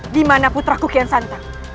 dimana putra kukian santang